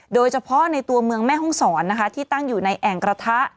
โดยเฉพาะในตัวเมืองแม่ห้องศรนะคะที่ตั้งอยู่ในแอ่งกระทะ